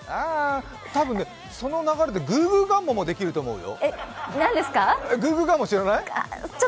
多分ね、その流れでグーグーガンモもできると思うよ。